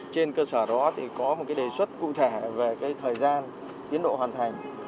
trên cơ sở đó thì có một đề xuất cụ thể về thời gian tiến độ hoàn thành